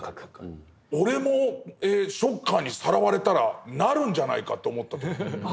俺もショッカーにさらわれたらなるんじゃないかと思った。